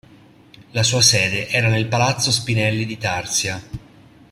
La sua sede era nel Palazzo Spinelli di Tarsia.